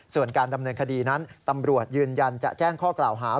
ส่วนการดำเนินคดีนั้นตำรวจยืนยันจะแจ้งข้อกล่าวหา